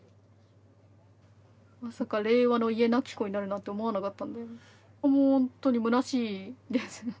まさか令和の家なき子になるなんて思わなかったんでもうほんとにむなしいですね。